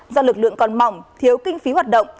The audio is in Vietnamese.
do lực lượng còn mỏng thiếu kinh phí hoạt động